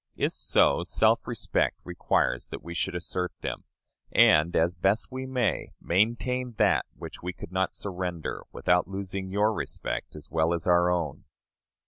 If so, self respect requires that we should assert them; and, as best we may, maintain that which we could not surrender without losing your respect as well as our own.